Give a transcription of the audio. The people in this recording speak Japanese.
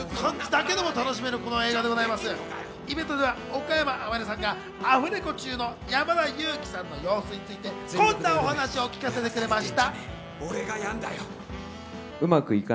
イベントでは岡山天音さんがアフレコ中の山田裕貴さんの様子について、こんなお話を聞かせてくれました。